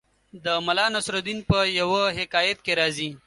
د ملا نصرالدین په یوه حکایت کې راځي